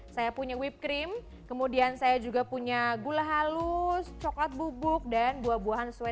saya punya whippe cream kemudian saya juga punya gula halus coklat bubuk dan buah buahan sesuai